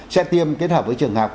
sẽ tiêm kết hợp với trường học